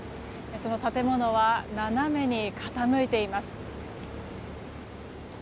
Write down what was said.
その建物は斜めに傾いています。